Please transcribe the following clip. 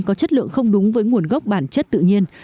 có chất lượng không đúng với nguồn gốc bản chất tự nhiên